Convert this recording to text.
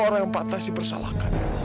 gua orang yang patah si persalahkan